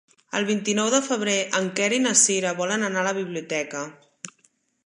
El vint-i-nou de febrer en Quer i na Cira volen anar a la biblioteca.